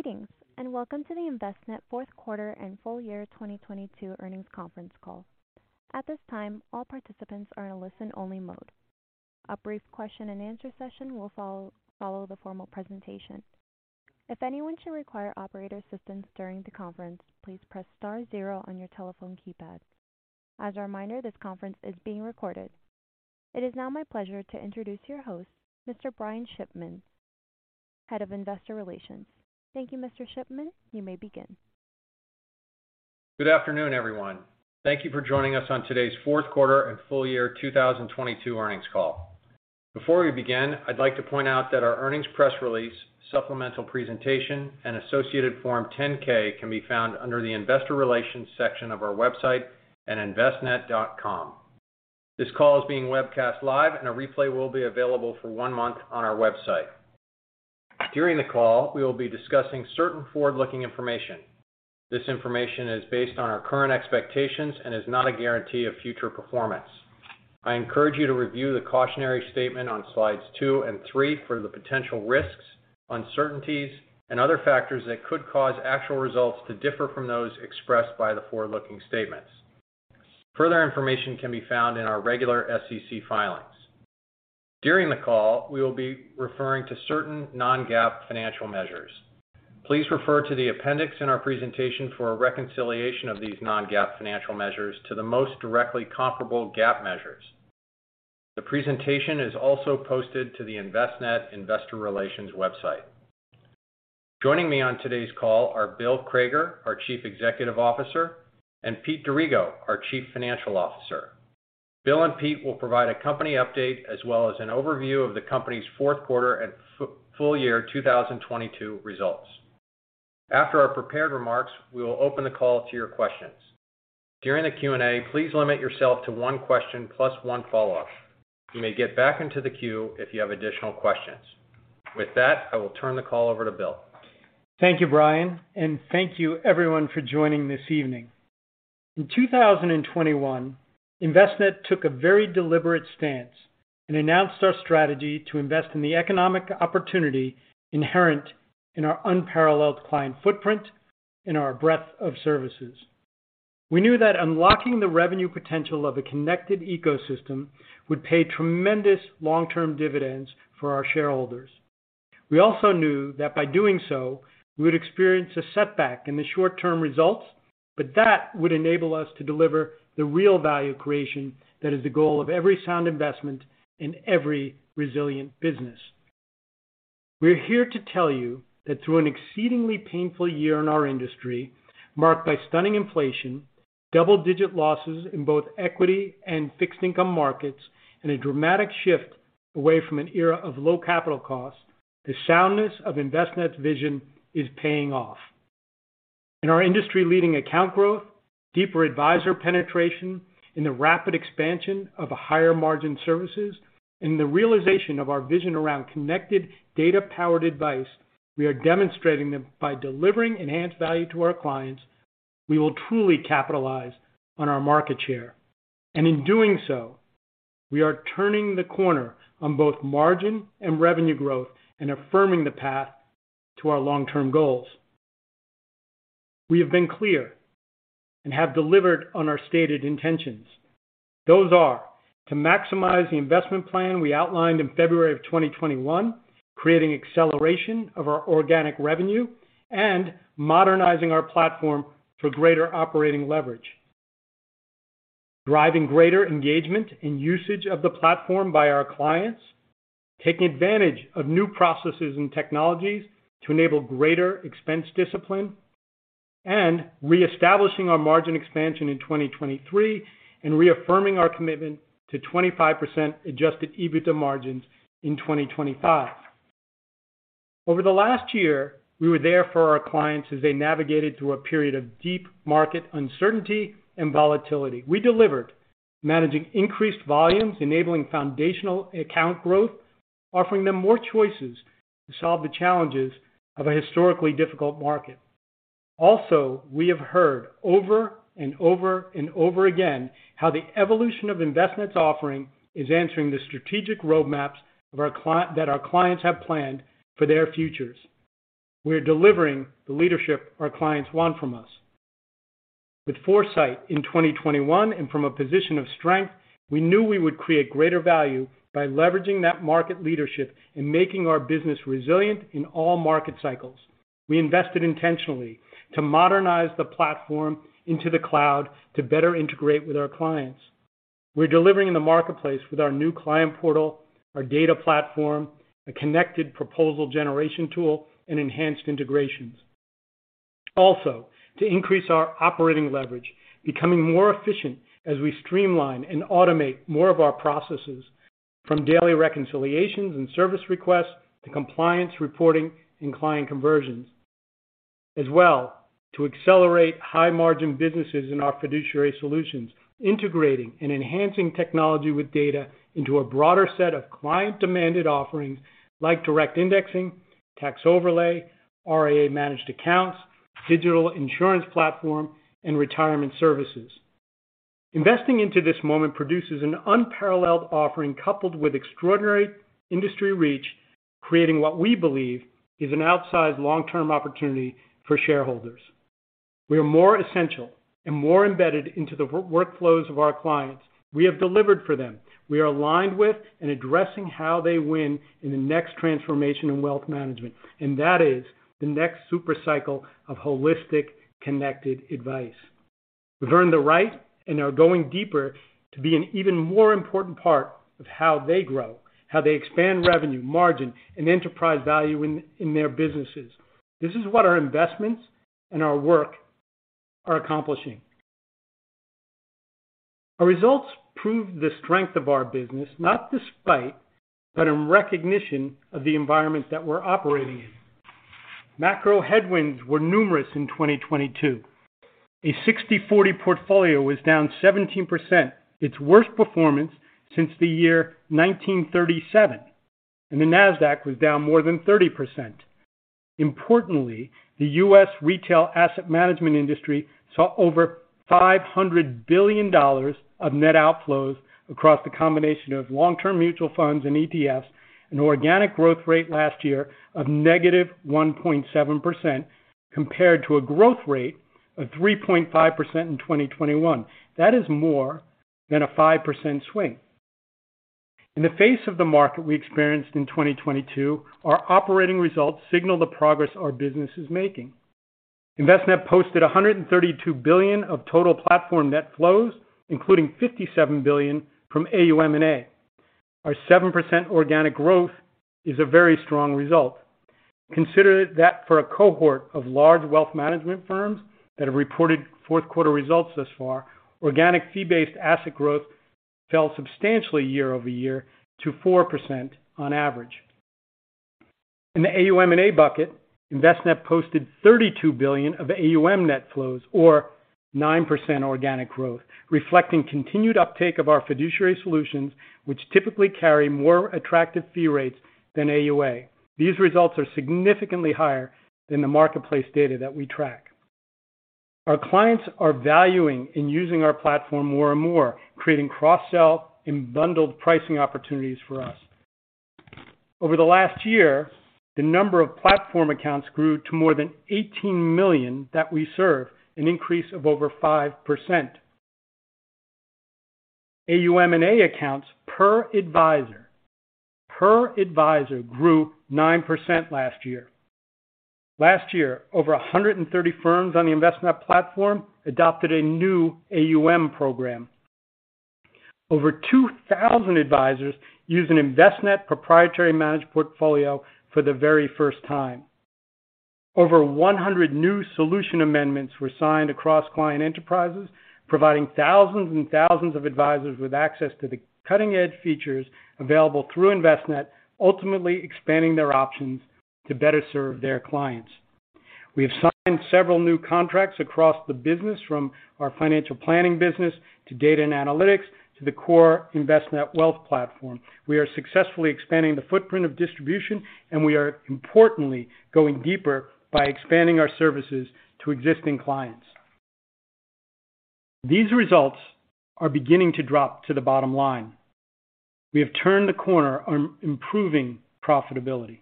Greetings, and welcome to the Envestnet Fourth Quarter and Full Year 2022 Earnings Conference Call. At this time, all participants are in a listen-only mode. A brief question-and-answer session will follow the formal presentation. If anyone should require operator assistance during the conference, please press star zero on your telephone keypad. As a reminder, this conference is being recorded. It is now my pleasure to introduce your host, Mr. Brian Shipman, Head of Investor Relations. Thank you, Mr. Shipman. You may begin. Good afternoon, everyone. Thank you for joining us on today's Fourth Quarter and Full Year 2022 Earnings Call. Before we begin, I'd like to point out that our earnings press release, supplemental presentation, and associated Form 10-K can be found under the Investor Relations section of our website at envestnet.com. This call is being webcast live, and a replay will be available for one month on our website. During the call, we will be discussing certain forward-looking information. This information is based on our current expectations and is not a guarantee of future performance. I encourage you to review the cautionary statement on slides two and three for the potential risks, uncertainties, and other factors that could cause actual results to differ from those expressed by the forward-looking statements. Further information can be found in our regular SEC filings. During the call, we will be referring to certain non-GAAP financial measures. Please refer to the appendix in our presentation for a reconciliation of these non-GAAP financial measures to the most directly comparable GAAP measures. The presentation is also posted to the Envestnet Investor Relations website. Joining me on today's call are Bill Crager, our Chief Executive Officer, and Pete D'Arrigo, our Chief Financial Officer. Bill and Pete will provide a company update as well as an overview of the company's fourth quarter and full year 2022 results. After our prepared remarks, we will open the call to your questions. During the Q&A, please limit yourself to one question plus one follow-up. You may get back into the queue if you have additional questions. With that, I will turn the call over to Bill. Thank you, Brian, and thank you everyone for joining this evening. In 2021, Envestnet took a very deliberate stance and announced our strategy to invest in the economic opportunity inherent in our unparalleled client footprint in our breadth of services. We knew that unlocking the revenue potential of a connected ecosystem would pay tremendous long-term dividends for our shareholders. We also knew that by doing so, we would experience a setback in the short-term results, but that would enable us to deliver the real value creation that is the goal of every sound investment in every resilient business. We're here to tell you that through an exceedingly painful year in our industry, marked by stunning inflation, double-digit losses in both equity and fixed income markets, and a dramatic shift away from an era of low capital costs, the soundness of Envestnet's vision is paying off. In our industry-leading account growth, deeper advisor penetration, in the rapid expansion of a higher margin services, in the realization of our vision around connected data-powered advice, we are demonstrating that by delivering enhanced value to our clients, we will truly capitalize on our market share. In doing so, we are turning the corner on both margin and revenue growth and affirming the path to our long-term goals. We have been clear and have delivered on our stated intentions. Those are: to maximize the investment plan we outlined in February of 2021, creating acceleration of our organic revenue, and modernizing our platform for greater operating leverage. Driving greater engagement and usage of the platform by our clients. Taking advantage of new processes and technologies to enable greater expense discipline, and reestablishing our margin expansion in 2023 and reaffirming our commitment to 25% adjusted EBITDA margins in 2025. Over the last year, we were there for our clients as they navigated through a period of deep market uncertainty and volatility. We delivered managing increased volumes, enabling foundational account growth, offering them more choices to solve the challenges of a historically difficult market. We have heard over and over and over again how the evolution of Envestnet's offering is answering the strategic roadmaps that our clients have planned for their futures. We're delivering the leadership our clients want from us. With foresight in 2021 and from a position of strength, we knew we would create greater value by leveraging that market leadership and making our business resilient in all market cycles. We invested intentionally to modernize the platform into the cloud to better integrate with our clients. We're delivering in the marketplace with our new client portal, our Wealth Data Platform, a connected proposal generation tool, and enhanced integrations. To increase our operating leverage, becoming more efficient as we streamline and automate more of our processes from daily reconciliations and service requests to compliance reporting and client conversions. To accelerate high-margin businesses in our fiduciary solutions, integrating and enhancing technology with data into a broader set of client-demanded offerings like direct indexing, tax overlay, RIA managed accounts, Envestnet Insurance Exchange, and retirement services. Investing into this moment produces an unparalleled offering, coupled with extraordinary industry reach, creating what we believe is an outsized long-term opportunity for shareholders. We are more essential and more embedded into the workflows of our clients. We have delivered for them. We are aligned with and addressing how they win in the next transformation in wealth management, and that is the next super cycle of holistic, connected advice. We've earned the right and are going deeper to be an even more important part of how they grow, how they expand revenue, margin, and enterprise value in their businesses. This is what our investments and our work are accomplishing. Our results prove the strength of our business, not despite, but in recognition of the environment that we're operating in. Macro headwinds were numerous in 2022. A 60/40 portfolio was down 17%, its worst performance since the year 1937, and the Nasdaq was down more than 30%. Importantly, the U.S. retail asset management industry saw over $500 billion of net outflows across the combination of long-term mutual funds and ETFs, an organic growth rate last year of negative 1.7% compared to a growth rate of 3.5% in 2021. That is more than a 5% swing. In the face of the market we experienced in 2022, our operating results signal the progress our business is making. Envestnet posted $132 billion of total platform net flows, including $57 billion from AUM/A. Our 7% organic growth is a very strong result. Consider that for a cohort of large wealth management firms that have reported fourth quarter results thus far, organic fee-based asset growth fell substantially year-over-year to 4% on average. In the AUM/A bucket, Envestnet posted $32 billion of AUM net flows or 9% organic growth, reflecting continued uptake of our fiduciary solutions, which typically carry more attractive fee rates than AUA. These results are significantly higher than the marketplace data that we track. Our clients are valuing in using our platform more and more, creating cross-sell and bundled pricing opportunities for us. Over the last year, the number of platform accounts grew to more than 18 million that we serve, an increase of over 5%. AUM/A accounts per advisor grew 9% last year. Last year, over 130 firms on the Envestnet platform adopted a new AUM program. Over 2,000 advisors used an Envestnet proprietary managed portfolio for the very first time. Over 100 new solution amendments were signed across client enterprises, providing thousands and thousands of advisors with access to the cutting-edge features available through Envestnet, ultimately expanding their options to better serve their clients. We have signed several new contracts across the business, from our financial planning business to data and analytics, to the core Envestnet wealth platform. We are successfully expanding the footprint of distribution, we are importantly going deeper by expanding our services to existing clients. These results are beginning to drop to the bottom line. We have turned the corner on improving profitability.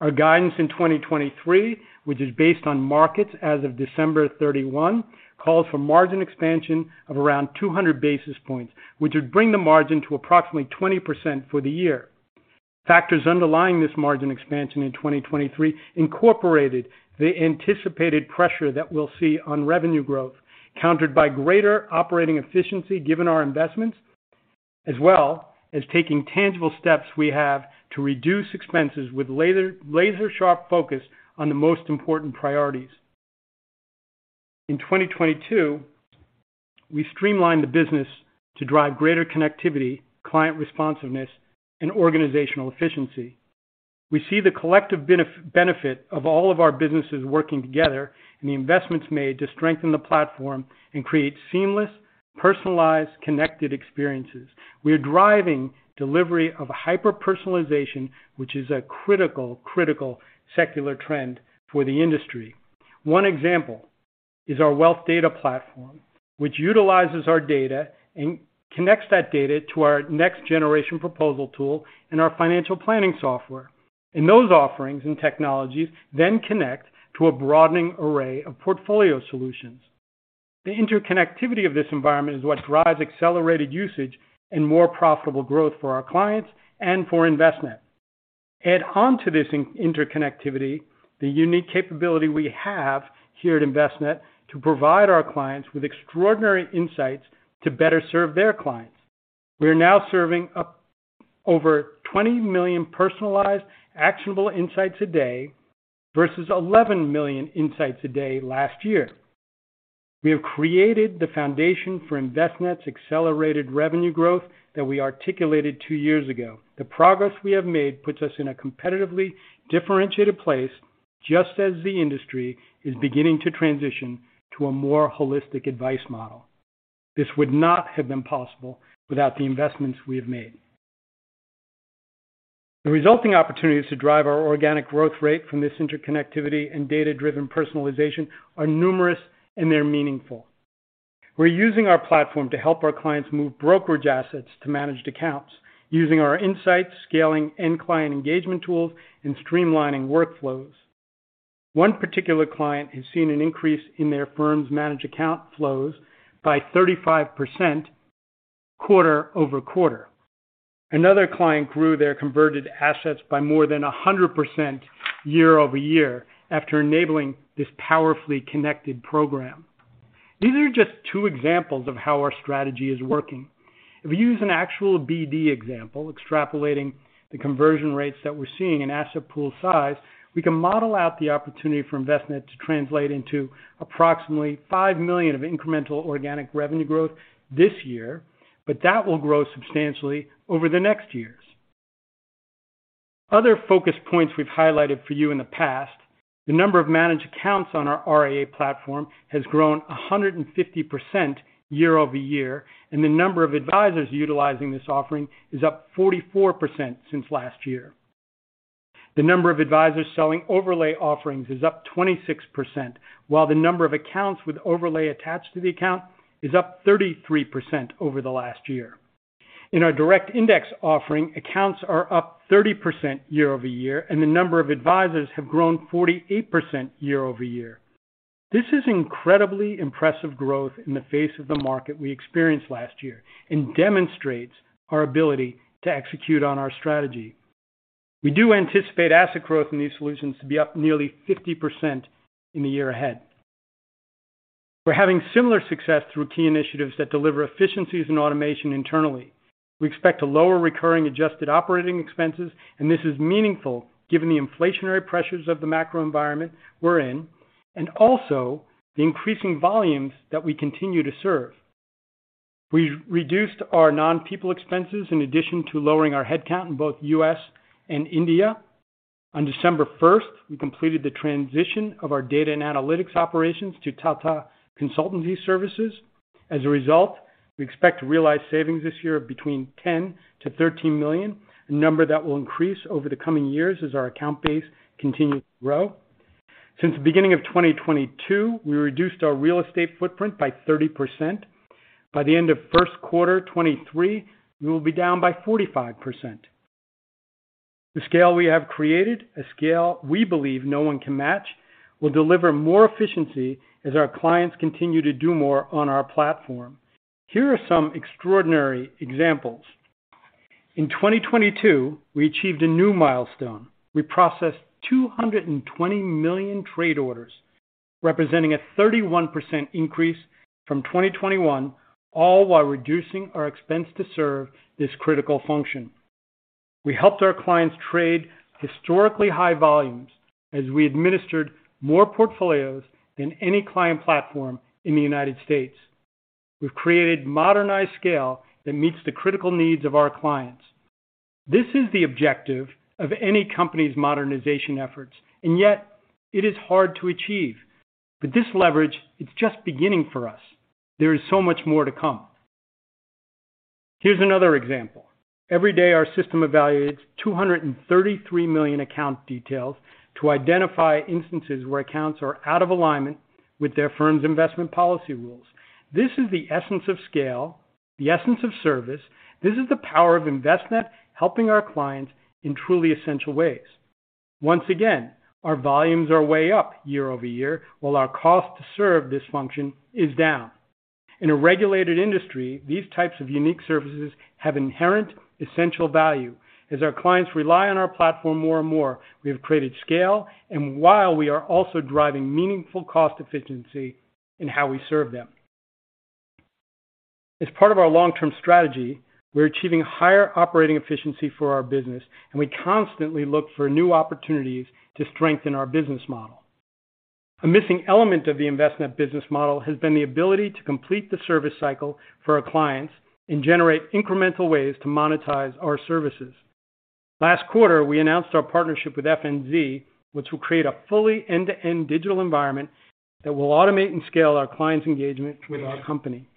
Our guidance in 2023, which is based on markets as of December 31, calls for margin expansion of around 200 basis points, which would bring the margin to approximately 20% for the year. Factors underlying this margin expansion in 2023 incorporated the anticipated pressure that we'll see on revenue growth, countered by greater operating efficiency given our investments, as well as taking tangible steps we have to reduce expenses with laser-sharp focus on the most important priorities. In 2022, we streamlined the business to drive greater connectivity, client responsiveness, and organizational efficiency. We see the collective benefit of all of our businesses working together and the investments made to strengthen the platform and create seamless, personalized, connected experiences. We are driving delivery of hyper-personalization, which is a critical secular trend for the industry. One example is our Wealth Data Platform, which utilizes our data and connects that data to our next generation proposal tool and our financial planning software. Those offerings and technologies then connect to a broadening array of portfolio solutions. The interconnectivity of this environment is what drives accelerated usage and more profitable growth for our clients and for Envestnet. Add on to this interconnectivity the unique capability we have here at Envestnet to provide our clients with extraordinary insights to better serve their clients. We are now serving up over 20 million personalized, actionable insights a day versus 11 million insights a day last year. We have created the foundation for Envestnet's accelerated revenue growth that we articulated two years ago. The progress we have made puts us in a competitively differentiated place just as the industry is beginning to transition to a more holistic advice model. This would not have been possible without the investments we have made. The resulting opportunities to drive our organic growth rate from this interconnectivity and data-driven personalization are numerous, and they're meaningful. We're using our platform to help our clients move brokerage assets to managed accounts using our insights, scaling end-client engagement tools, and streamlining workflows. One particular client has seen an increase in their firm's managed account flows by 35% quarter-over-quarter. Another client grew their converted assets by more than 100% year-over-year after enabling this powerfully connected program. These are just two examples of how our strategy is working. If we use an actual BD example, extrapolating the conversion rates that we're seeing in asset pool size, we can model out the opportunity for Envestnet to translate into approximately $5 million of incremental organic revenue growth this year, but that will grow substantially over the next years. Other focus points we've highlighted for you in the past, the number of managed accounts on our RIA platform has grown 150% year-over-year, and the number of advisors utilizing this offering is up 44% since last year. The number of advisors selling overlay offerings is up 26%, while the number of accounts with overlay attached to the account is up 33% over the last year. In our direct index offering, accounts are up 30% year-over-year, and the number of advisors have grown 48% year-over-year. This is incredibly impressive growth in the face of the market we experienced last year and demonstrates our ability to execute on our strategy. We do anticipate asset growth in these solutions to be up nearly 50% in the year ahead. We're having similar success through key initiatives that deliver efficiencies and automation internally. We expect to lower recurring adjusted operating expenses. This is meaningful given the inflationary pressures of the macro environment we're in and also the increasing volumes that we continue to serve. We reduced our non-people expenses in addition to lowering our headcount in both U.S. and India. On December first, we completed the transition of our data and analytics operations to Tata Consultancy Services. As a result, we expect to realize savings this year of between $10 million-$13 million, a number that will increase over the coming years as our account base continues to grow. Since the beginning of 2022, we reduced our real estate footprint by 30%. By the end of first quarter 2023, we will be down by 45%. The scale we have created, a scale we believe no one can match, will deliver more efficiency as our clients continue to do more on our platform. Here are some extraordinary examples. In 2022, we achieved a new milestone. We processed 220 million trade orders, representing a 31% increase from 2021, all while reducing our expense to serve this critical function. We helped our clients trade historically high volumes as we administered more portfolios than any client platform in the United States. We've created modernized scale that meets the critical needs of our clients. This is the objective of any company's modernization efforts, and yet it is hard to achieve. This leverage, it's just beginning for us. There is so much more to come. Here's another example. Every day, our system evaluates 233 million account details to identify instances where accounts are out of alignment with their firm's investment policy rules. This is the essence of scale, the essence of service. This is the power of Envestnet helping our clients in truly essential ways. Once again, our volumes are way up year-over-year, while our cost to serve this function is down. In a regulated industry, these types of unique services have inherent essential value. As our clients rely on our platform more and more, we have created scale, and while we are also driving meaningful cost efficiency in how we serve them. As part of our long-term strategy, we're achieving higher operating efficiency for our business, and we constantly look for new opportunities to strengthen our business model. A missing element of the Envestnet business model has been the ability to complete the service cycle for our clients and generate incremental ways to monetize our services. Last quarter, we announced our partnership with FNZ, which will create a fully end-to-end digital environment that will automate and scale our clients' engagement with our company.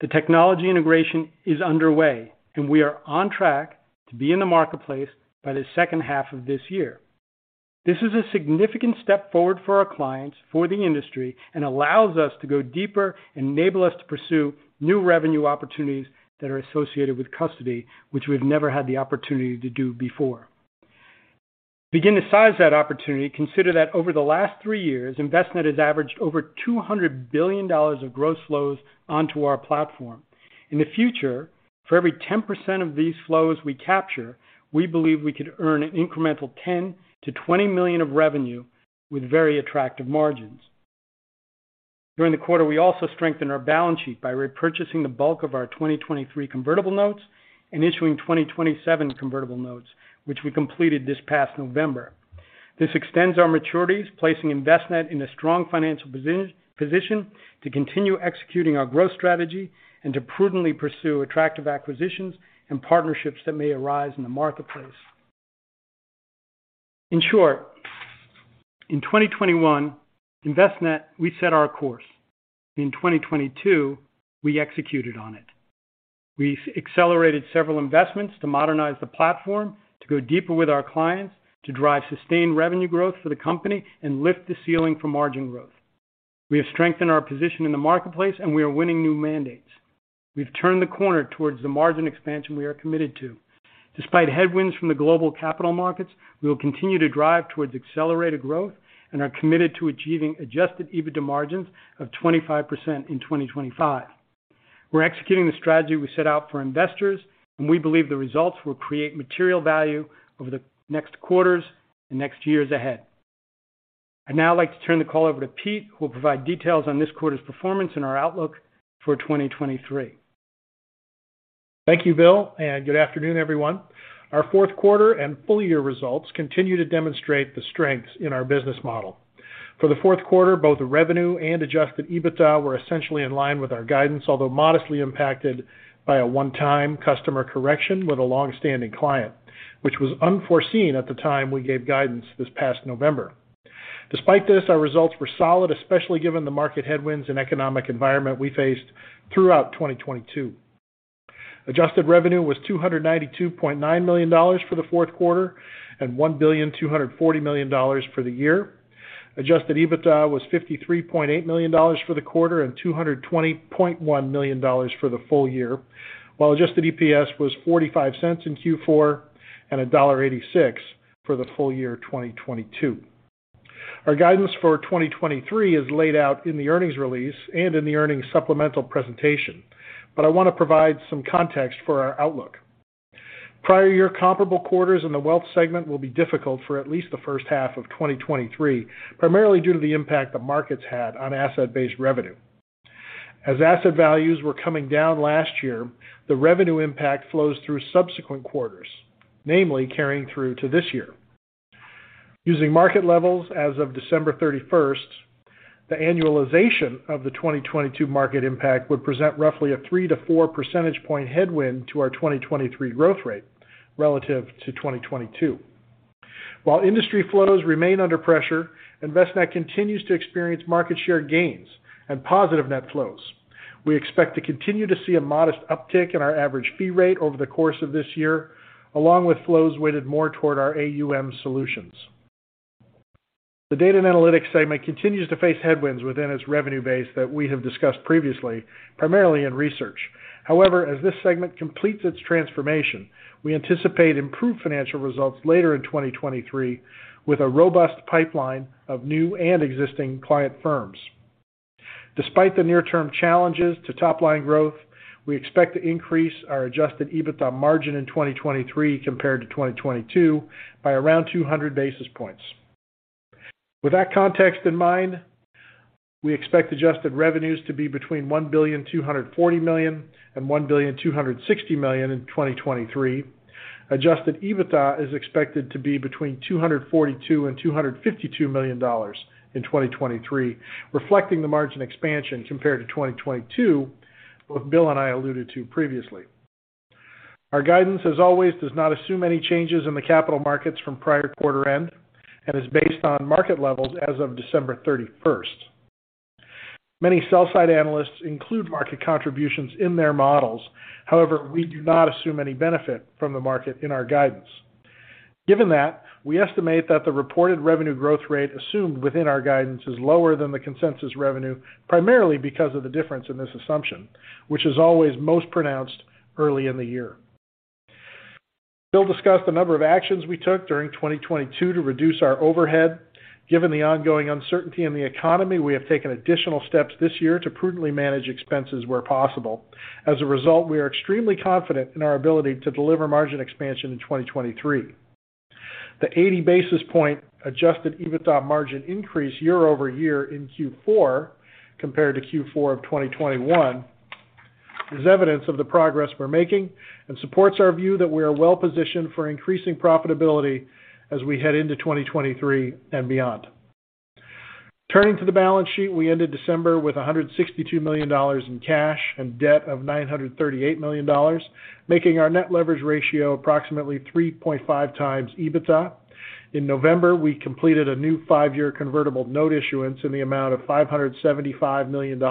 The technology integration is underway, and we are on track to be in the marketplace by the second half of this year. This is a significant step forward for our clients, for the industry, and allows us to go deeper and enable us to pursue new revenue opportunities that are associated with custody, which we've never had the opportunity to do before. To begin to size that opportunity, consider that over the last three years, Envestnet has averaged over $200 billion of gross flows onto our platform. In the future, for every 10% of these flows we capture, we believe we could earn an incremental $10 million-$20 million of revenue with very attractive margins. During the quarter, we also strengthened our balance sheet by repurchasing the bulk of our 2023 convertible notes and issuing 2027 convertible notes, which we completed this past November. This extends our maturities, placing Envestnet in a strong financial position to continue executing our growth strategy and to prudently pursue attractive acquisitions and partnerships that may arise in the marketplace. In short, in 2021, Envestnet, we set our course. In 2022, we executed on it. We've accelerated several investments to modernize the platform, to go deeper with our clients, to drive sustained revenue growth for the company, and lift the ceiling for margin growth. We have strengthened our position in the marketplace, and we are winning new mandates. We've turned the corner towards the margin expansion we are committed to. Despite headwinds from the global capital markets, we will continue to drive towards accelerated growth and are committed to achieving adjusted EBITDA margins of 25% in 2025. We're executing the strategy we set out for investors, and we believe the results will create material value over the next quarters and next years ahead. I'd now like to turn the call over to Pete, who will provide details on this quarter's performance and our outlook for 2023. Thank you, Bill. Good afternoon, everyone. Our fourth quarter and full year results continue to demonstrate the strengths in our business model. For the fourth quarter, both the revenue and adjusted EBITDA were essentially in line with our guidance, although modestly impacted by a one-time customer correction with a long-standing client, which was unforeseen at the time we gave guidance this past November. Despite this, our results were solid, especially given the market headwinds and economic environment we faced throughout 2022. Adjusted revenue was $292.9 million for the fourth quarter and $1.24 billion for the year. Adjusted EBITDA was $53.8 million for the quarter and $220.1 million for the full year, while adjusted EPS was $0.45 in Q4 and $1.86 for the full year 2022. Our guidance for 2023 is laid out in the earnings release and in the earnings supplemental presentation, I want to provide some context for our outlook. Prior year comparable quarters in the wealth segment will be difficult for at least the first half of 2023, primarily due to the impact the markets had on asset-based revenue. As asset values were coming down last year, the revenue impact flows through subsequent quarters, namely carrying through to this year. Using market levels as of December 31st, the annualization of the 2022 market impact would present roughly a three to four percentage point headwind to our 2023 growth rate relative to 2022. While industry flows remain under pressure, Envestnet continues to experience market share gains and positive net flows. We expect to continue to see a modest uptick in our average fee rate over the course of this year, along with flows weighted more toward our AUM solutions. The data and analytics segment continues to face headwinds within its revenue base that we have discussed previously, primarily in research. However, as this segment completes its transformation, we anticipate improved financial results later in 2023 with a robust pipeline of new and existing client firms. Despite the near-term challenges to top-line growth, we expect to increase our adjusted EBITDA margin in 2023 compared to 2022 by around 200 basis points. With that context in mind, we expect adjusted revenues to be between $1.24 billion and $1.26 billion in 2023. Adjusted EBITDA is expected to be between $242 million and $252 million in 2023, reflecting the margin expansion compared to 2022, both Bill and I alluded to previously. Our guidance, as always, does not assume any changes in the capital markets from prior quarter end and is based on market levels as of December 31st. Many sell side analysts include market contributions in their models. We do not assume any benefit from the market in our guidance. Given that, we estimate that the reported revenue growth rate assumed within our guidance is lower than the consensus revenue, primarily because of the difference in this assumption, which is always most pronounced early in the year. Bill discussed a number of actions we took during 2022 to reduce our overhead. Given the ongoing uncertainty in the economy, we have taken additional steps this year to prudently manage expenses where possible. As a result, we are extremely confident in our ability to deliver margin expansion in 2023. The 80 basis point adjusted EBITDA margin increase year-over-year in Q4 compared to Q4 of 2021 is evidence of the progress we're making and supports our view that we are well-positioned for increasing profitability as we head into 2023 and beyond. Turning to the balance sheet, we ended December with $162 million in cash and debt of $938 million, making our net leverage ratio approximately 3.5x EBITDA. In November, we completed a new five-year convertible note issuance in the amount of $575 million.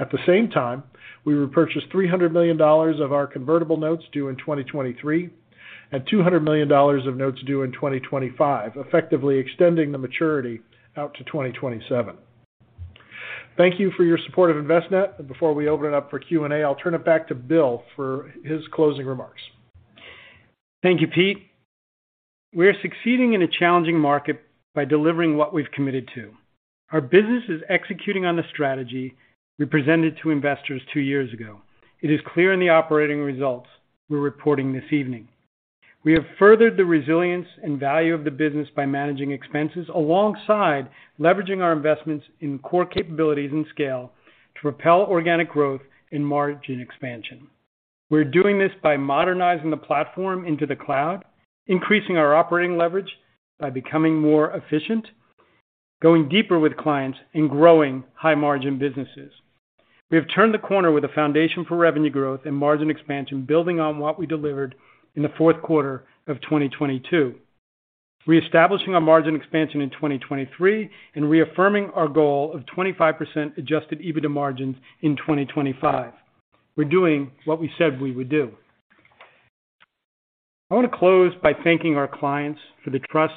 At the same time, we repurchased $300 million of our convertible notes due in 2023 and $200 million of notes due in 2025, effectively extending the maturity out to 2027. Thank you for your support of Envestnet. Before we open it up for Q&A, I'll turn it back to Bill for his closing remarks. Thank you, Pete. We are succeeding in a challenging market by delivering what we've committed to. Our business is executing on the strategy we presented to investors two years ago. It is clear in the operating results we're reporting this evening. We have furthered the resilience and value of the business by managing expenses alongside leveraging our investments in core capabilities and scale to propel organic growth in margin expansion. We're doing this by modernizing the platform into the cloud, increasing our operating leverage by becoming more efficient, going deeper with clients and growing high-margin businesses. We have turned the corner with a foundation for revenue growth and margin expansion, building on what we delivered in the fourth quarter of 2022. Reestablishing our margin expansion in 2023 and reaffirming our goal of 25% adjusted EBITDA margins in 2025. We're doing what we said we would do. I want to close by thanking our clients for the trust,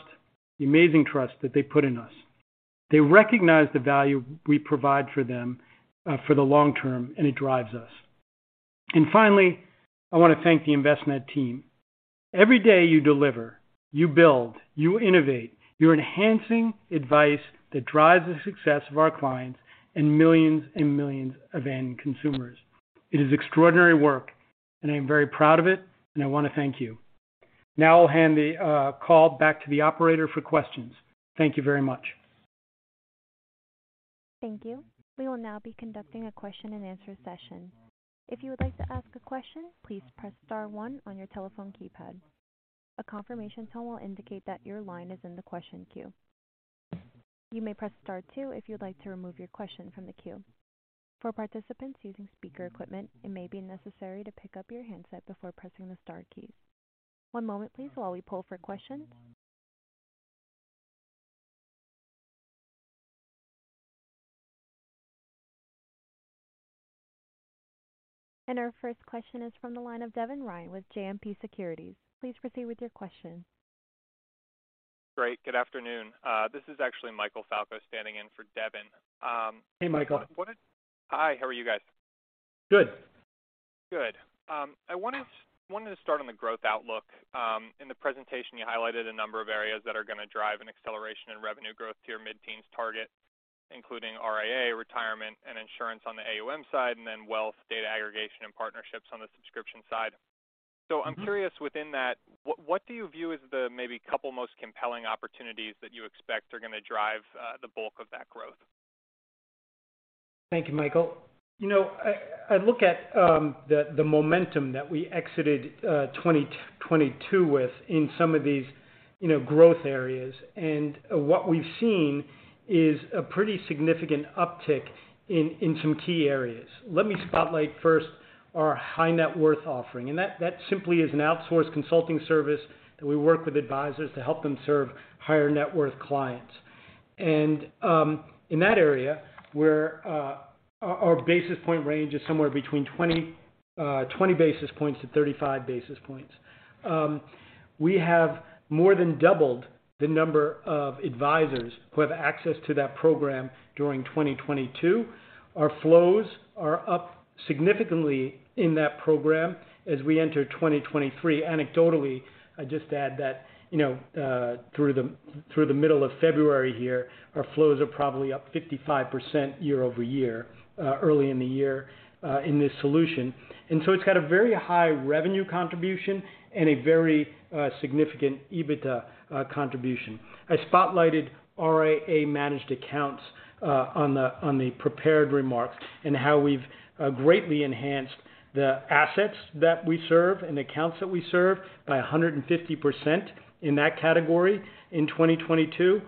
the amazing trust that they put in us. They recognize the value we provide for them for the long term, it drives us. Finally, I want to thank the Envestnet team. Every day you deliver, you build, you innovate, you're enhancing advice that drives the success of our clients and millions and millions of end consumers. It is extraordinary work, I'm very proud of it, I want to thank you. Now I'll hand the call back to the operator for questions. Thank you very much. Thank you. We will now be conducting a question-and-answer session. If you would like to ask a question, please press star one on your telephone keypad. A confirmation tone will indicate that your line is in the question queue. You may press star two if you'd like to remove your question from the queue. For participants using speaker equipment, it may be necessary to pick up your handset before pressing the star keys. One moment please while we pull for questions. Our first question is from the line of Devin Ryan with JMP Securities. Please proceed with your question. Great. Good afternoon. This is actually Michael Falco standing in for Devin. Hey, Michael. Hi, how are you guys? Good. Good. I wanted to start on the growth outlook. In the presentation, you highlighted a number of areas that are gonna drive an acceleration in revenue growth to your mid-teens target, including RIA, retirement, and insurance on the AUM side, and then wealth, data aggregation, and partnerships on the subscription side. I'm curious within that, what do you view as the maybe couple most compelling opportunities that you expect are gonna drive the bulk of that growth? Thank you, Michael. You know, I look at the momentum that we exited 2022 with in some of these, you know, growth areas. What we've seen is a pretty significant uptick in some key areas. Let me spotlight first our high net worth offering, and that simply is an outsourced consulting service that we work with advisors to help them serve higher net worth clients. In that area, where our basis point range is somewhere between 20 basis points to 35 basis points. We have more than doubled the number of advisors who have access to that program during 2022. Our flows are up significantly in that program as we enter 2023. Anecdotally, I'd just add that, you know, through the middle of February here, our flows are probably up 55% year-over-year early in the year in this solution. It's got a very high revenue contribution and a very significant EBITDA contribution. I spotlighted RIA managed accounts on the prepared remarks and how we've greatly enhanced the assets that we serve and accounts that we serve by 150% in that category in 2022.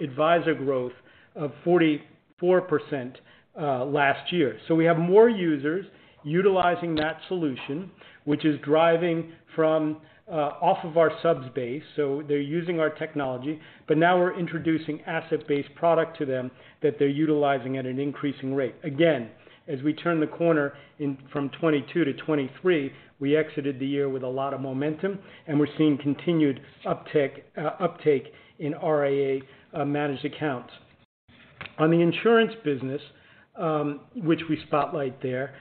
Advisor growth of 44% last year. We have more users utilizing that solution, which is driving from off of our subs base. They're using our technology, but now we're introducing asset-based product to them that they're utilizing at an increasing rate. Again, as we turn the corner in from 2022 to 2023, we exited the year with a lot of momentum, and we're seeing continued uptick, uptake in RIA managed accounts. On the insurance business, which we spotlight there,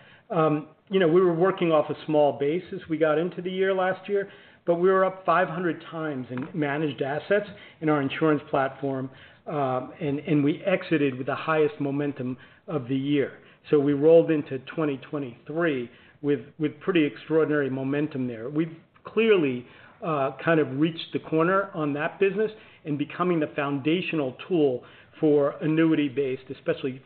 you know, we were working off a small base as we got into the year last year, but we were up 500 times in managed assets in our insurance platform, and we exited with the highest momentum of the year. We rolled into 2023 with pretty extraordinary momentum there. We've clearly kind of reached the corner on that business in becoming the foundational tool for annuity-based, especially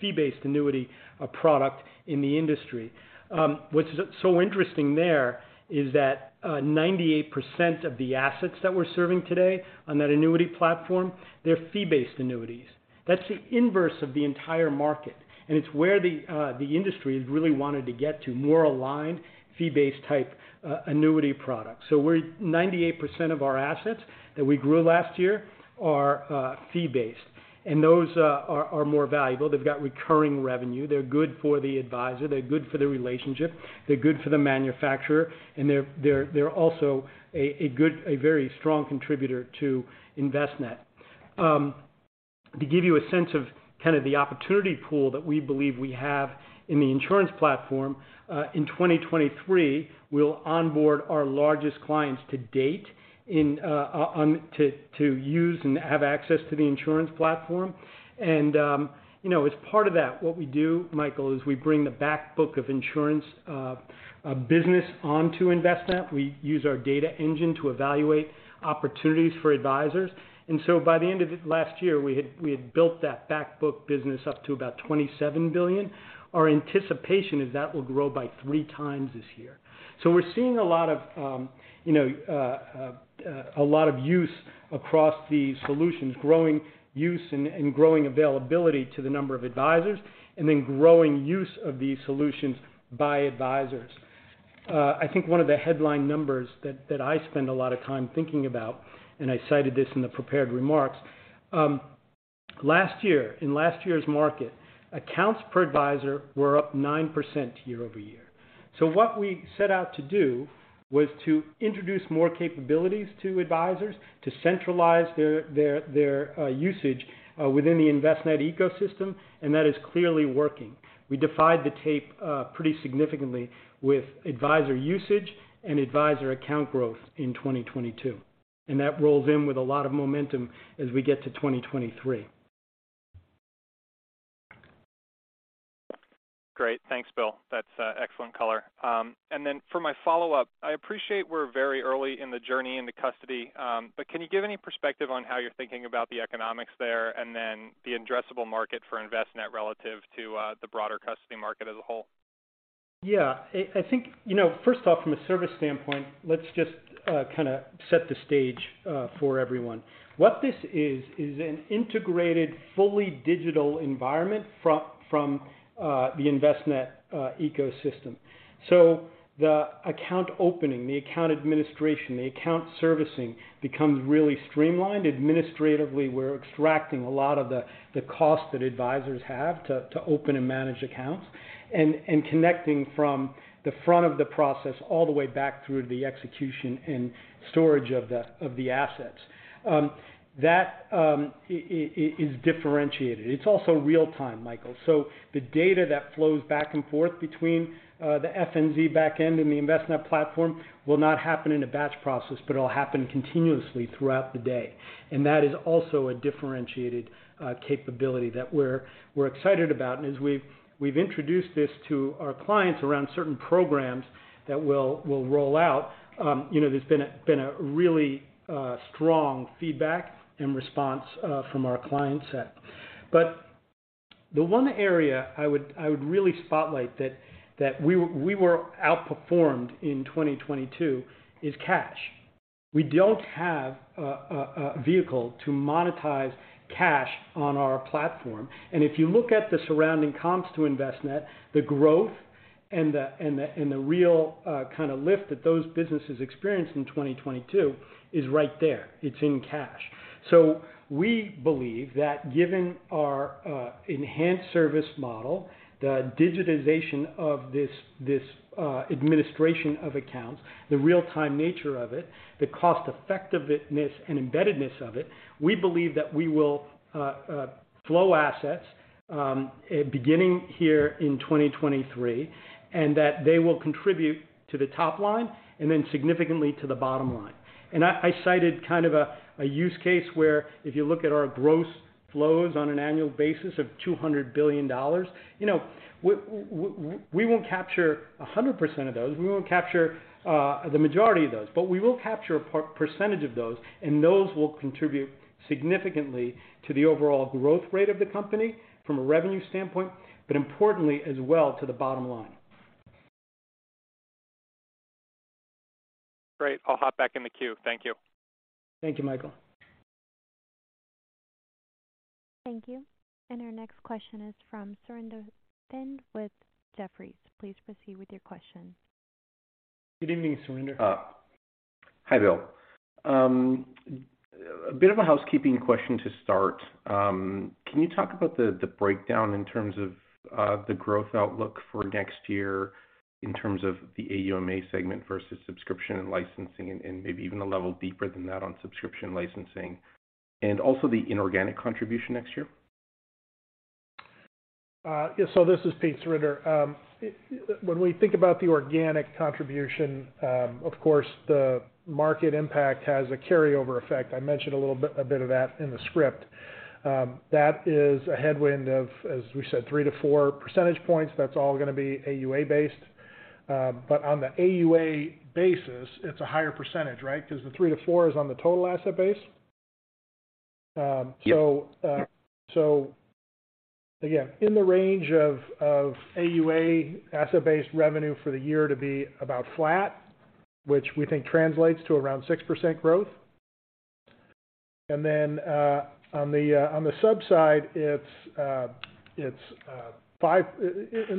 fee-based annuity product in the industry. What's so interesting there is that 98% of the assets that we're serving today on that annuity platform, they're fee-based annuities. That's the inverse of the entire market, and it's where the industry has really wanted to get to more aligned fee-based type annuity products. We're 98% of our assets that we grew last year are fee-based, and those are more valuable. They've got recurring revenue. They're good for the advisor. They're good for the relationship. They're good for the manufacturer, and they're also a very strong contributor to Envestnet. To give you a sense of kind of the opportunity pool that we believe we have in the insurance platform, in 2023, we'll onboard our largest clients to date to use and have access to the insurance platform. You know, as part of that, what we do, Michael, is we bring the back book of insurance business onto Envestnet. We use our data engine to evaluate opportunities for advisors. By the end of it last year, we had built that back book business up to about $27 billion. Our anticipation is that will grow by three times this year. We're seeing a lot of, you know, a lot of use across these solutions, growing use and growing availability to the number of advisors, and then growing use of these solutions by advisors. I think one of the headline numbers that I spend a lot of time thinking about, and I cited this in the prepared remarks, last year, in last year's market, accounts per advisor were up 9% year-over-year. What we set out to do was to introduce more capabilities to advisors to centralize their usage within the Envestnet ecosystem. That is clearly working. We defied the tape pretty significantly with advisor usage and advisor account growth in 2022. That rolls in with a lot of momentum as we get to 2023. Great. Thanks, Bill. That's excellent color. Then for my follow-up, I appreciate we're very early in the journey into custody, but can you give any perspective on how you're thinking about the economics there and then the addressable market for Envestnet relative to the broader custody market as a whole? Yeah. I think, you know, first off, from a service standpoint, let's just kind of set the stage for everyone. What this is an integrated, fully digital environment from the Envestnet ecosystem. The account opening, the account administration, the account servicing becomes really streamlined. Administratively, we're extracting a lot of the cost that advisors have to open and manage accounts and connecting from the front of the process all the way back through the execution and storage of the assets. That is differentiated. It's also real-time, Michael. The data that flows back and forth between the FNZ back-end and the Envestnet platform will not happen in a batch process, but it'll happen continuously throughout the day. That is also a differentiated capability that we're excited about. As we've introduced this to our clients around certain programs that we'll roll out, you know, there's been a really strong feedback and response from our client set. The one area I would really spotlight that we were outperformed in 2022 is cash. We don't have a vehicle to monetize cash on our platform. If you look at the surrounding comps to Envestnet, the growth and the real kind of lift that those businesses experienced in 2022 is right there. It's in cash. We believe that given our enhanced service model, the digitization of this administration of accounts, the real-time nature of it, the cost-effectiveness and embeddedness of it, we believe that we will flow assets beginning here in 2023, and that they will contribute to the top line and then significantly to the bottom line. I cited kind of a use case where if you look at our gross flows on an annual basis of $200 billion, you know, we won't capture 100% of those. We won't capture the majority of those. We will capture a percentage of those, and those will contribute significantly to the overall growth rate of the company from a revenue standpoint, but importantly as well to the bottom line. Great. I'll hop back in the queue. Thank you. Thank you, Michael. Thank you. Our next question is from Surinder Thind with Jefferies. Please proceed with your question. Good evening, Surinder. Hi, Bill. A bit of a housekeeping question to start. Can you talk about the breakdown in terms of the growth outlook for next year in terms of the AUM/A segment versus subscription and licensing, and maybe even a level deeper than that on subscription licensing, and also the inorganic contribution next year? Yeah. This is Pete, Surinder. When we think about the organic contribution, of course, the market impact has a carryover effect. I mentioned a little bit, a bit of that in the script. That is a headwind of, as we said, three to four percentage points. That's all going to be AUA-based. On the AUA basis, it's a higher percentage, right? Because the three to four is on the total asset base. Yes. Again, in the range of AUA asset-based revenue for the year to be about flat, which we think translates to around 6% growth. On the sub-side, it's in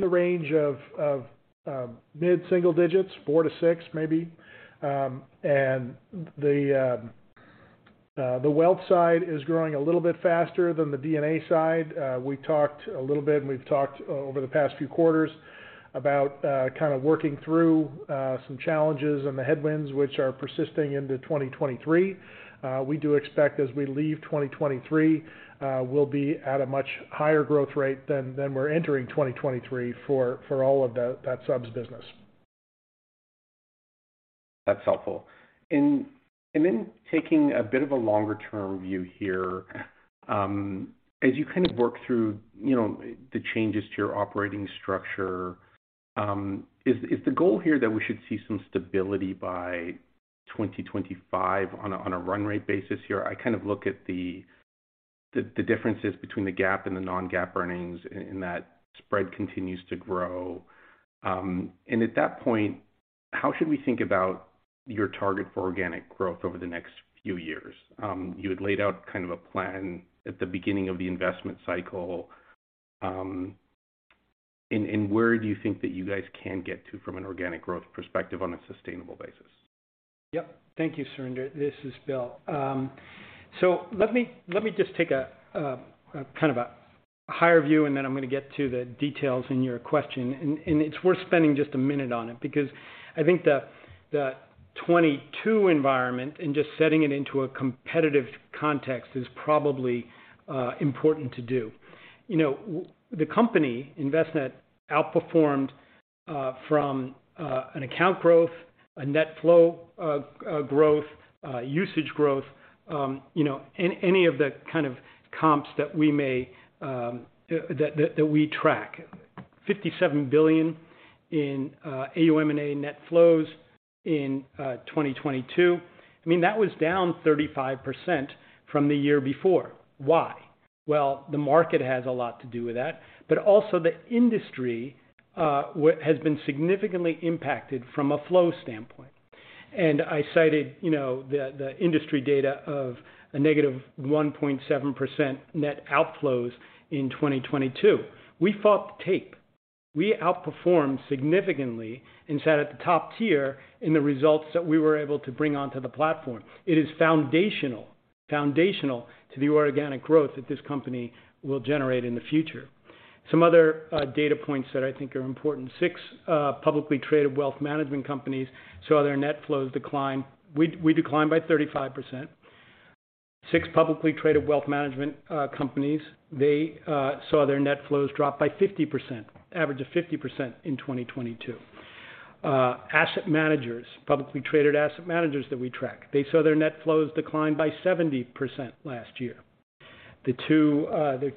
the range of mid-single digits, four to six maybe. The wealth side is growing a little bit faster than the D&A side. We talked a little bit, and we've talked over the past few quarters about kind of working through some challenges and the headwinds which are persisting into 2023. We do expect as we leave 2023, we'll be at a much higher growth rate than we're entering 2023 for all of that subs business. That's helpful. Then taking a bit of a longer-term view here, as you kind of work through, you know, the changes to your operating structure, is the goal here that we should see some stability by 2025 on a run rate basis here? I kind of look at the. The differences between the GAAP and the non-GAAP earnings and that spread continues to grow. At that point, how should we think about your target for organic growth over the next few years? You had laid out kind of a plan at the beginning of the investment cycle. Where do you think that you guys can get to from an organic growth perspective on a sustainable basis? Yep. Thank you, Surinder. This is Bill. Let me just take a kind of a higher view, and then I'm gonna get to the details in your question. It's worth spending just a minute on it because I think the 2022 environment, and just setting it into a competitive context, is probably important to do. You know, the company Envestnet outperformed from an account growth, a net flow, growth, usage growth, you know, any of the kind of comps that we may that we track. $57 billion in AUM/A net flows in 2022. I mean, that was down 35% from the year before. Why? Well, the market has a lot to do with that. Also the industry has been significantly impacted from a flow standpoint. I cited, you know, the industry data of a -1.7% net outflows in 2022. We fought the tape. We outperformed significantly and sat at the top tier in the results that we were able to bring onto the platform. It is foundational to the organic growth that this company will generate in the future. Some other data points that I think are important. Six publicly traded wealth management companies saw their net flows decline. We declined by 35%. Six publicly traded wealth management companies, they saw their net flows drop by 50%, average of 50% in 2022. Asset managers, publicly traded asset managers that we track, they saw their net flows decline by 70% last year. The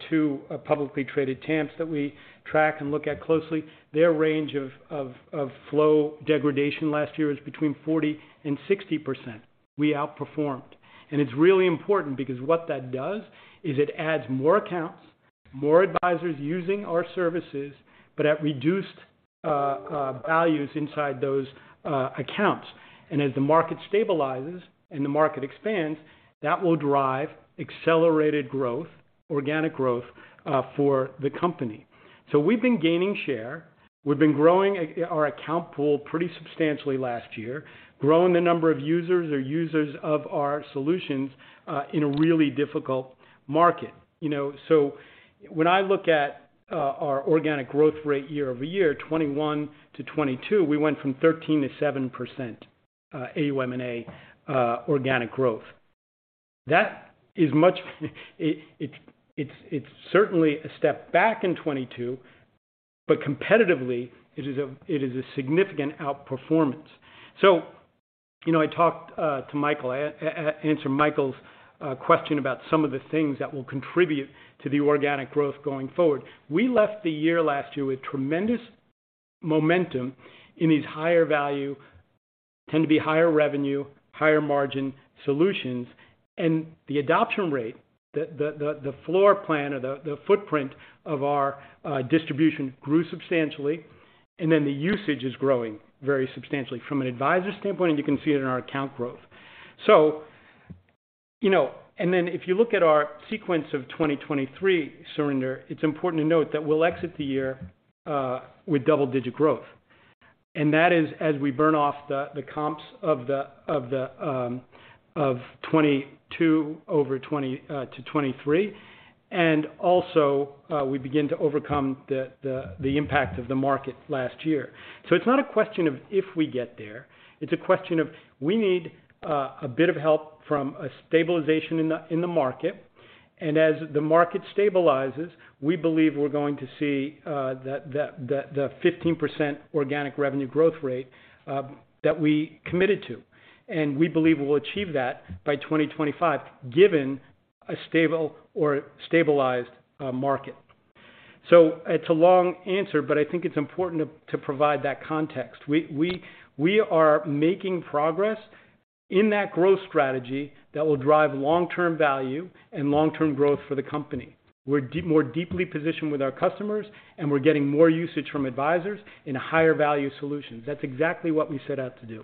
two publicly traded TAMPs that we track and look at closely, their range of flow degradation last year is between 40% and 60%. We outperformed. It's really important because what that does is it adds more accounts, more advisors using our services, but at reduced values inside those accounts. As the market stabilizes and the market expands, that will drive accelerated growth, organic growth for the company. We've been gaining share. We've been growing our account pool pretty substantially last year, growing the number of users of our solutions in a really difficult market. You know, when I look at our organic growth rate year-over-year, 2021 to 2022, we went from 13% to 7% AUM/A organic growth. That is much... It's certainly a step back in 2022, but competitively, it is a significant outperformance. You know, I talked to Michael. Answer Michael's question about some of the things that will contribute to the organic growth going forward. We left the year last year with tremendous momentum in these higher value, tend to be higher revenue, higher margin solutions. The adoption rate, the floor plan or the footprint of our distribution grew substantially, and then the usage is growing very substantially from an advisor standpoint, and you can see it in our account growth. You know, if you look at our sequence of 2023, Surinder, it's important to note that we'll exit the year with double-digit growth. That is as we burn off the comps of 2022 over to 2023. Also, we begin to overcome the impact of the market last year. It's not a question of if we get there, it's a question of we need a bit of help from a stabilization in the market. As the market stabilizes, we believe we're going to see the 15% organic revenue growth rate that we committed to. We believe we'll achieve that by 2025, given a stable or stabilized market. It's a long answer, but I think it's important to provide that context. We are making progress in that growth strategy that will drive long-term value and long-term growth for the company. We're more deeply positioned with our customers, and we're getting more usage from advisors in higher value solutions. That's exactly what we set out to do.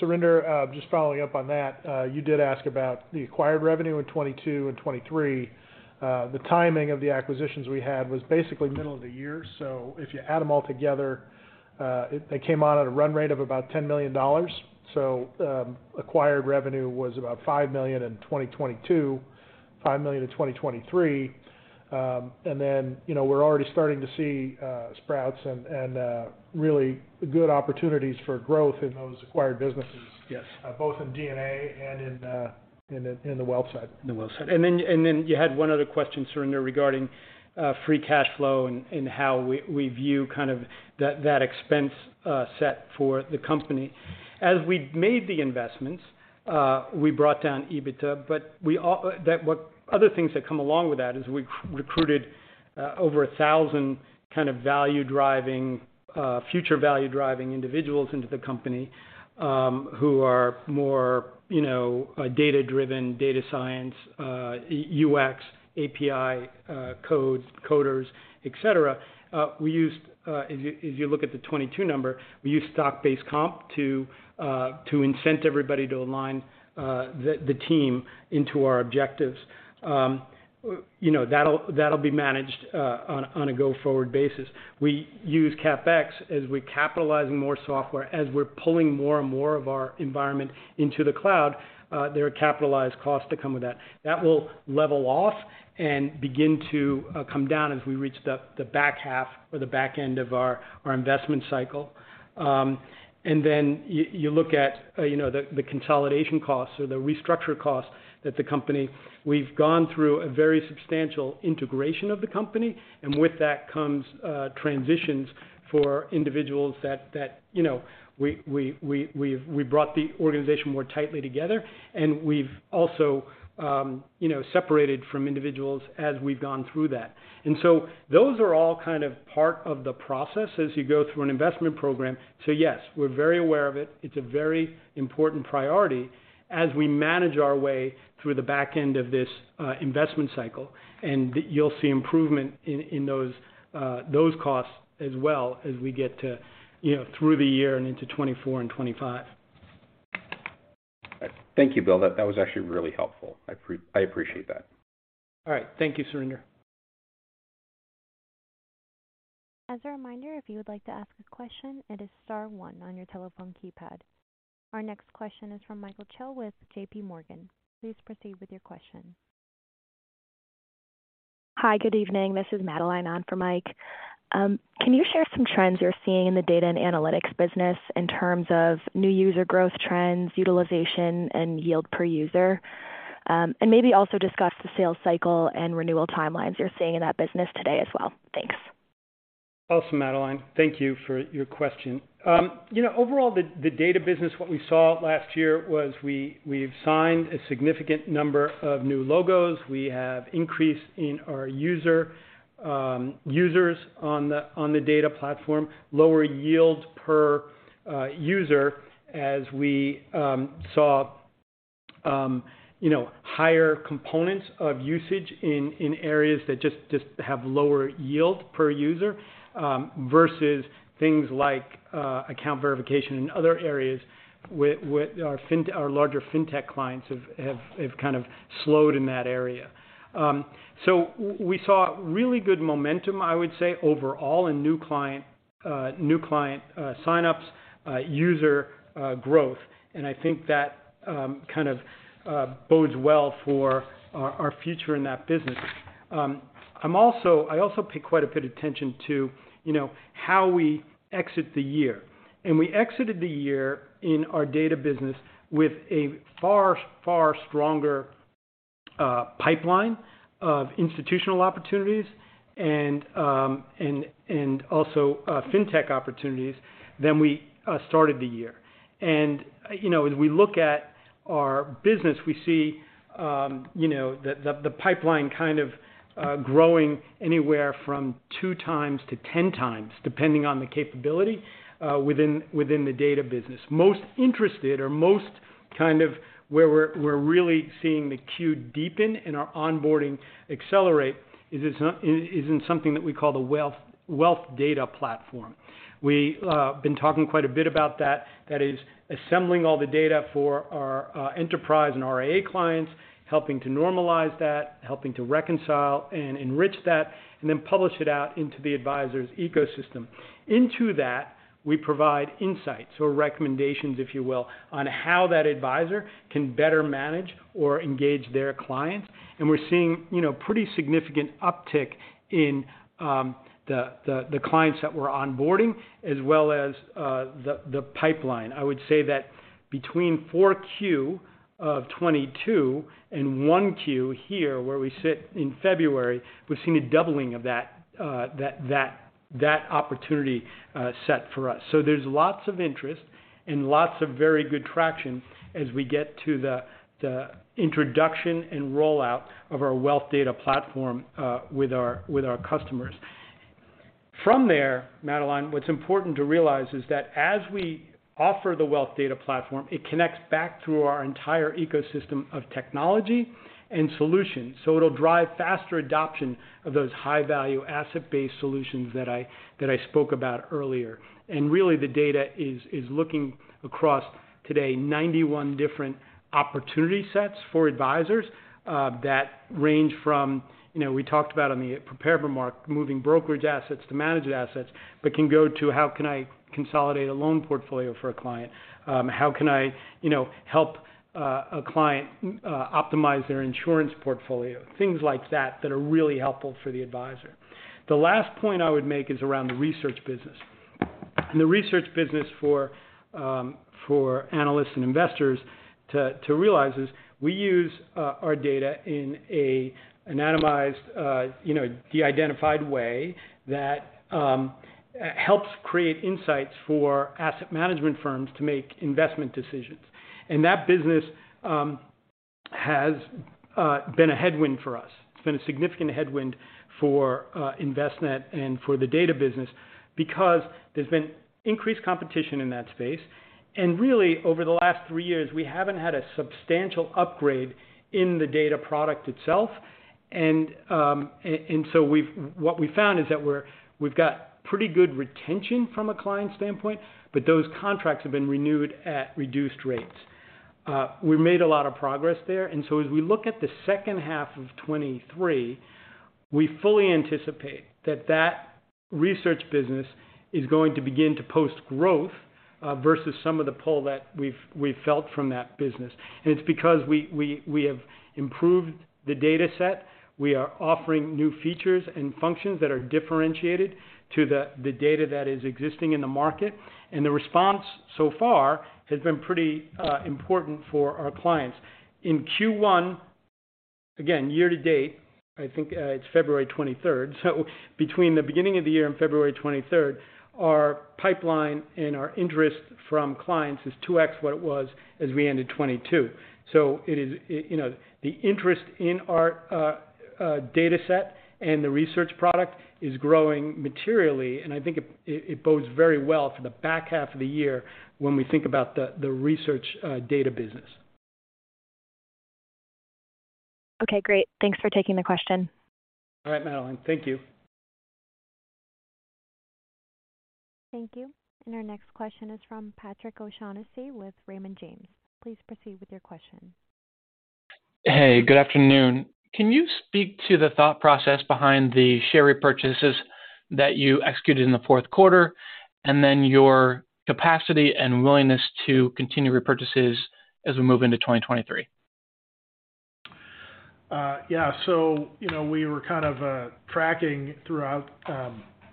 Surinder, just following up on that, you did ask about the acquired revenue in 2022 and 2023. The timing of the acquisitions we had was basically middle of the year. If you add them all together, they came out at a run rate of about $10 million. Acquired revenue was about $5 million in 2022, $5 million in 2023. Then, you know, we're already starting to see sprouts and, really good opportunities for growth in those acquired businesses. Yes Both in D&A and in the wealth side. In the wealth side. You had one other question, Surinder, regarding free cash flow and how we view kind of that expense set for the company. As we made the investments, we brought down EBITDA, but what other things that come along with that is we recruited 1,000 kind of value driving, future value driving individuals into the company, who are more, you know, data-driven, data science, UX, API, coders, et cetera. We used, if you look at the 22 number, we used stock-based comp to incent everybody to align the team into our objectives. You know, that'll be managed on a go-forward basis. We use CapEx as we're capitalizing more software. As we're pulling more and more of our environment into the cloud, there are capitalized costs that come with that. That will level off and begin to come down as we reach the back half or the back end of our investment cycle. Then you look at, you know, the consolidation costs or the restructure costs that the company. We've gone through a very substantial integration of the company, and with that comes transitions for individuals that, you know, we've brought the organization more tightly together, and we've also, you know, separated from individuals as we've gone through that. Those are all kind of part of the process as you go through an investment program. Yes, we're very aware of it. It's a very important priority as we manage our way through the back end of this investment cycle. You'll see improvement in those costs as well as we get through the year and into 2024 and 2025. Thank you, Bill. That was actually really helpful. I appreciate that. All right. Thank you, Surinder. As a reminder, if you would like to ask a question, it is star one on your telephone keypad. Our next question is from Michael Cho with JPMorgan. Please proceed with your question. Hi. Good evening. This is Madeline on for Mike. Can you share some trends you're seeing in the data and analytics business in terms of new user growth trends, utilization, and yield per user? Maybe also discuss the sales cycle and renewal timelines you're seeing in that business today as well. Thanks. Awesome, Madeline. Thank you for your question. you know, overall, the data business, what we saw last year was we've signed a significant number of new logos. We have increase in our user users on the data platform, lower yield per user as we saw, you know, higher components of usage in areas that just have lower yield per user versus things like account verification in other areas with our larger fintech clients have kind of slowed in that area. we saw really good momentum, I would say, overall in new client sign-ups, user growth. I think that kind of bodes well for our future in that business. I also pay quite a bit attention to, you know, how we exit the year. We exited the year in our data business with a far stronger pipeline of institutional opportunities and also fintech opportunities than we started the year. You know, as we look at our business, we see, you know, the pipeline kind of growing anywhere from two times to 10 times, depending on the capability within the data business. Most interested or most kind of where we're really seeing the queue deepen and our onboarding accelerate is in something that we call the Wealth Data Platform. We been talking quite a bit about that. That is assembling all the data for our enterprise and RIA clients, helping to normalize that, helping to reconcile and enrich that, and then publish it out into the advisor's ecosystem. Into that, we provide insights or recommendations, if you will, on how that advisor can better manage or engage their clients. We're seeing, you know, pretty significant uptick in the clients that we're onboarding as well as the pipeline. I would say that between 4Q of 2022 and 1Q here, where we sit in February, we've seen a doubling of that opportunity set for us. There's lots of interest and lots of very good traction as we get to the introduction and rollout of our Wealth Data Platform with our customers. Madeline, what's important to realize is that as we offer the Wealth Data Platform, it connects back through our entire ecosystem of technology and solutions. It'll drive faster adoption of those high-value asset-based solutions that I spoke about earlier. Really, the data is looking across today 91 different opportunity sets for advisors that range from, you know, we talked about on the prepare remark, moving brokerage assets to managed assets, but can go to, how can I consolidate a loan portfolio for a client? How can I, you know, help a client optimize their insurance portfolio? Things like that that are really helpful for the advisor. The last point I would make is around the research business. The research business for analysts and investors to realize is we use our data in a anonymized, de-identified way that helps create insights for asset management firms to make investment decisions. That business has been a headwind for us. It's been a significant headwind for Envestnet and for the data business because there's been increased competition in that space. Really, over the last three years, we haven't had a substantial upgrade in the data product itself. What we found is that we've got pretty good retention from a client standpoint, but those contracts have been renewed at reduced rates. We made a lot of progress there. As we look at the second half of 2023, we fully anticipate that that research business is going to begin to post growth versus some of the pull that we've felt from that business. It's because we have improved the dataset. We are offering new features and functions that are differentiated to the data that is existing in the market. The response so far has been pretty important for our clients. In Q1, again, year to date, I think, it's February 23rd. Between the beginning of the year and February 23rd, our pipeline and our interest from clients is 2x what it was as we ended 2022. You know, the interest in our dataset and the research product is growing materially, and I think it bodes very well for the back half of the year when we think about the research data business. Okay, great. Thanks for taking the question. All right, Madeline. Thank you. Thank you. Our next question is from Patrick O'Shaughnessy with Raymond James. Please proceed with your question. Hey, good afternoon. Can you speak to the thought process behind the share repurchases that you executed in the fourth quarter, and then your capacity and willingness to continue repurchases as we move into 2023? Yeah. you know, we were kind of tracking throughout.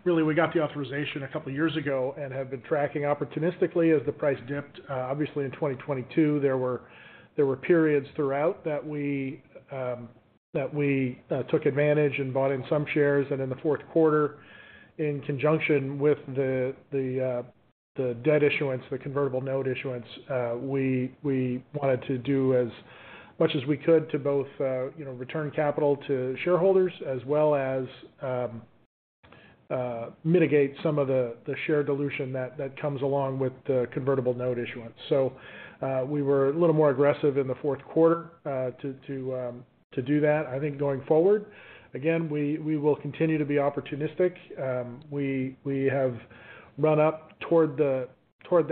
Really, we got the authorization a couple years ago and have been tracking opportunistically as the price dipped. Obviously in 2022, there were periods throughout that we took advantage and bought in some shares. In the fourth quarter, in conjunction with the debt issuance, the convertible note issuance, we wanted to do as much as we could to both, you know, return capital to shareholders as well as mitigate some of the share dilution that comes along with the convertible note issuance. We were a little more aggressive in the fourth quarter to do that. I think going forward, again, we will continue to be opportunistic. We have run up toward the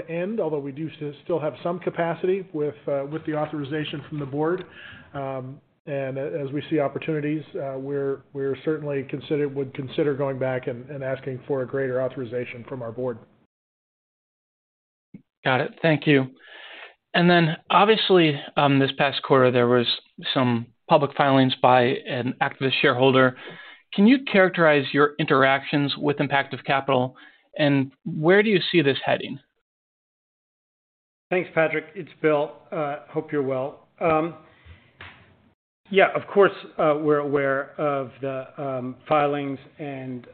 end, although we do still have some capacity with the authorization from the board. As we see opportunities, we're certainly would consider going back and asking for a greater authorization from our board. Got it. Thank you. Then, obviously, this past quarter, there was some public filings by an activist shareholder. Can you characterize your interactions with Impactive Capital, and where do you see this heading? Thanks, Patrick. It's Bill. Hope you're well. Of course, we're aware of the filings and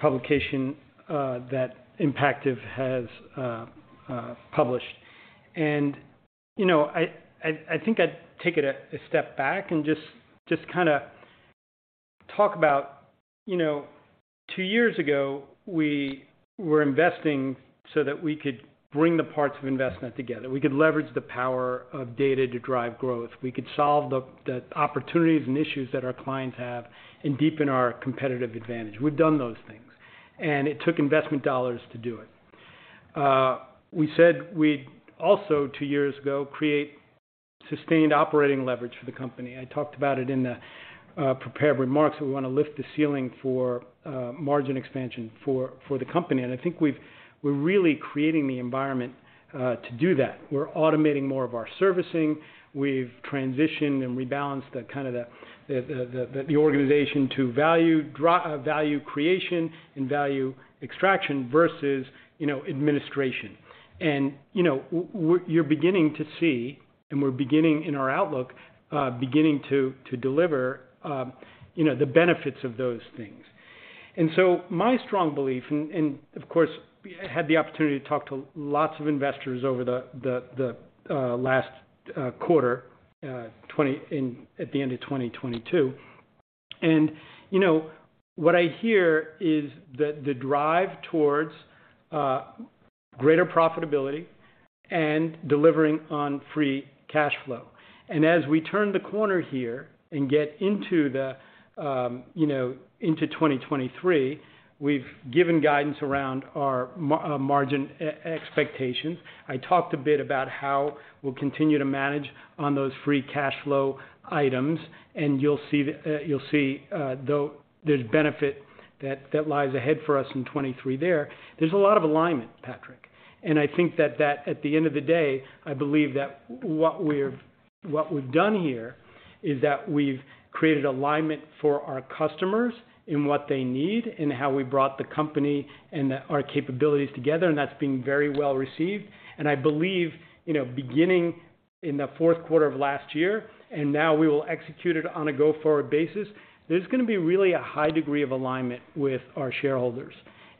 publication that Impactive has published. I think I'd take it a step back and just kinda talk about two years ago, we were investing so that we could bring the parts of Envestnet together. We could leverage the power of data to drive growth. We could solve the opportunities and issues that our clients have and deepen our competitive advantage. We've done those things, and it took investment dollars to do it. We said we'd also, two years ago, create sustained operating leverage for the company. I talked about it in the prepared remarks. We wanna lift the ceiling for margin expansion for the company. I think we're really creating the environment to do that. We're automating more of our servicing. We've transitioned and rebalanced the, kind of the organization to value creation and value extraction versus, you know, administration. You know, you're beginning to see, and we're beginning in our outlook, beginning to deliver, you know, the benefits of those things. My strong belief and of course, had the opportunity to talk to lots of investors over the last quarter at the end of 2022. You know, what I hear is the drive towards greater profitability and delivering on free cash flow. As we turn the corner here and get into the, you know, into 2023, we've given guidance around our margin expectations. I talked a bit about how we'll continue to manage on those free cash flow items, and you'll see, there's benefit that lies ahead for us in 2023. There's a lot of alignment, Patrick. I think that at the end of the day, I believe that what we've, what we've done here is that we've created alignment for our customers in what they need and how we brought the company and our capabilities together, and that's been very well received. I believe, you know, beginning in the fourth quarter of last year, and now we will execute it on a go-forward basis, there's gonna be really a high degree of alignment with our shareholders.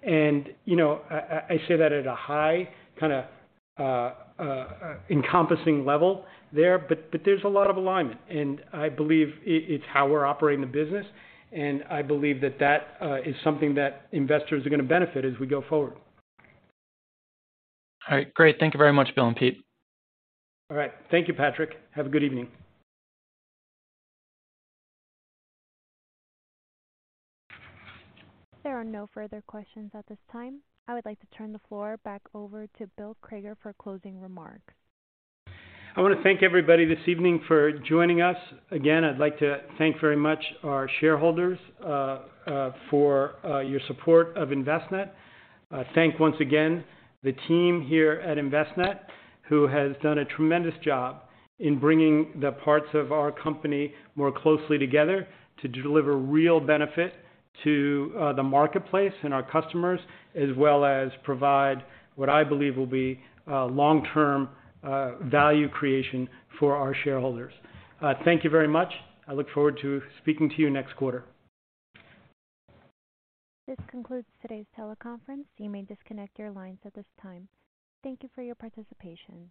You know, I say that at a high kinda encompassing level there, but there's a lot of alignment, and I believe it's how we're operating the business. I believe that is something that investors are gonna benefit as we go forward. All right. Great. Thank you very much, Bill and Pete. All right. Thank you, Patrick. Have a good evening. There are no further questions at this time. I would like to turn the floor back over to Bill Crager for closing remarks. I wanna thank everybody this evening for joining us. I'd like to thank very much our shareholders for your support of Envestnet. Thank once again the team here at Envestnet, who has done a tremendous job in bringing the parts of our company more closely together to deliver real benefit to the marketplace and our customers, as well as provide what I believe will be long-term value creation for our shareholders. Thank you very much. I look forward to speaking to you next quarter. This concludes today's teleconference. You may disconnect your lines at this time. Thank you for your participation.